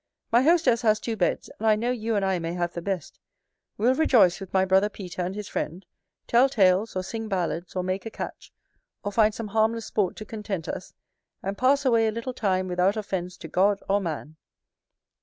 My hostess has two beds, and I know you and I may have the best: we'll rejoice with my brother Peter and his friend, tell tales, or sing ballads, or make a catch, or find some harmless sport to content us, and pass away a little time without offence to God or man.